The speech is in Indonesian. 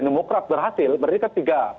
demokrat berhasil berdekat tiga